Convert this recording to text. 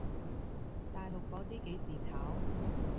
大陸嗰啲幾時炒？